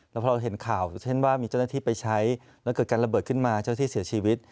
แล้วพอเราเห็นข่าวเช่นว่ามีเจ้าหน้าที่ไปใช้แล้วเกิดการระเบิดขึ้นมาเจ้าหน้าที่เสียชีวิต